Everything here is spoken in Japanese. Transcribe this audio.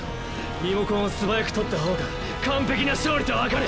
リモコンを素早く取った方が完璧な勝利とわかる！